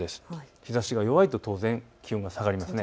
日ざしが弱いと当然、気温が下がりますよね。